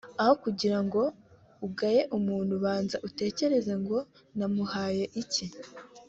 aho kugira ngo ugaye umuntu banza utekereze ngo namuhaye iki